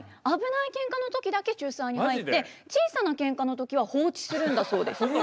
危ないけんかの時だけ仲裁に入って小さなけんかの時は放置するんだそうです。